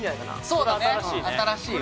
そうだね新しいよ。